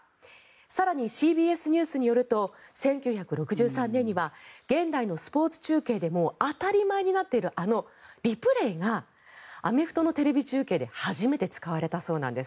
更に、ＣＢＳニュースによると１９６３年には現代のスポーツ中継で当たり前になっているあのリプレーがアメフトのテレビ中継で初めて使われたそうなんです。